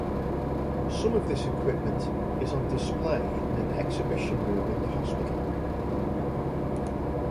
Some of this equipment is on display in an exhibition room in the hospital.